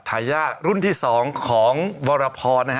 ไทย่่ารุ่นที่๒ของวารพร